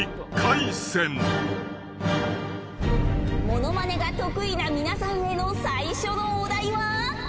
物まねが得意な皆さんへの最初のお題は。